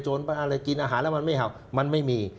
อะไรกินอาหารแล้วมันไม่เห่ามันไม่มี